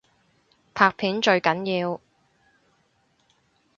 拍片最緊要